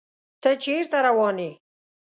ته چیرته روان یې؟